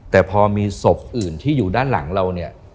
แต่พอมีศพอื่นที่อยู่ด้านหลังเราเนี่ย